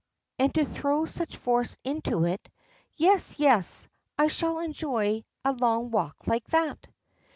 And to throw such force into it. Yes, yes; I shall enjoy a long walk like that."